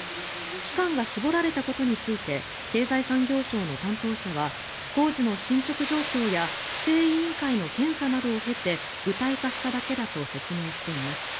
期間が絞られたことについて経済産業省の担当者は工事の進ちょく状況や規制委員会の検査などを経て具体化しただけだと説明しています。